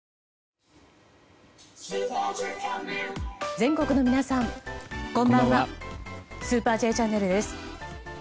全国の皆さん、こんばんは「スーパーＪチャンネル」です。